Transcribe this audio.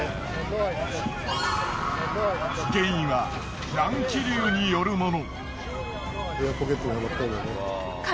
原因は乱気流によるもの。